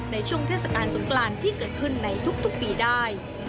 ในช่วงเทศกาลสงกรานที่เกิดขึ้นในทุกปีได้